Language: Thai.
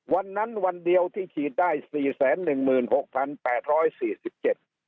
วันนั้นวันเดียวที่ฉีดได้สี่แสนหนึ่งหมื่นหกพันแปดร้อยสี่สิบเจ็ด